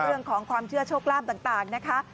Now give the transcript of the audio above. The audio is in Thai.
เรื่องของความเชื่อโชคลาภต่างนะคะ